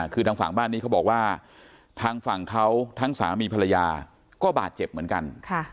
คือทางฝั่งบ้านนี้เขาบอกว่าทางฝั่งเขาทั้งสามีภรรยาก็บาดเจ็บเหมือนกัน